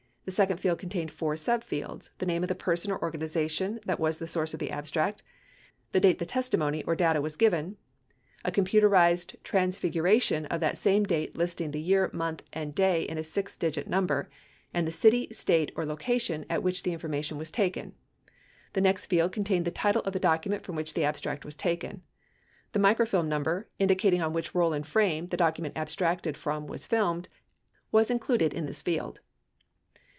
The second field contained four subfields : the name of the person or organi zation that was the source of the abstract, the date the testimony or data *&ee p. 1095 for flowchart comparing 1 the procedures for inputting data by the key to tape process and MTST process. 1090 was given, a computerized transfiguration of that same date listing the year, month, and day in a six digit number, and the city, State, or location at which the information was taken. The next field contained the title of the document from which the abstract was taken. The micro film number, indicating on which roll and frame the document abstracted from was filmed, was included in this field.